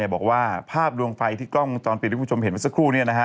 บอกว่าภาพดวงไฟที่กล้องวงจรปิดที่คุณผู้ชมเห็นมาสักครู่